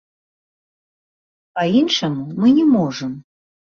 Па-іншаму мы не можам.